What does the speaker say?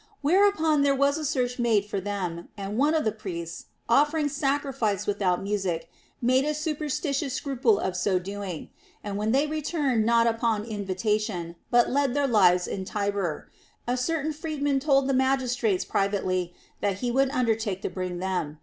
Whereupon there was a search made for them, and one of the priests, offering sacrifice without music, made a superstitious scruple of so doing. And when they returned not upon invitation, but led their lives in Tibur, a certain freedman told the magistrates privately that he would undertake to bring them.